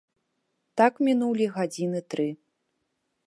Так мінулі гадзіны тры.